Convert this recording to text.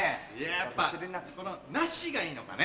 やっぱこの「なし」がいいのかね。